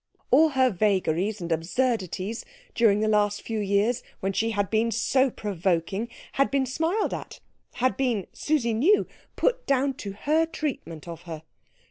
All her vagaries and absurdities during the last few years when she had been so provoking had been smiled at, had been, Susie knew, put down to her treatment of her.